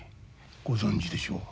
ご存じでしょう。